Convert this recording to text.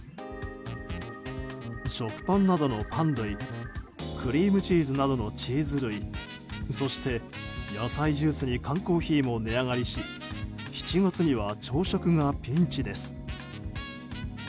食パンなどのパン類クリームチーズなどのチーズ類そして、野菜ジュースに缶コーヒーも値上がりし７月には朝食がピンチです。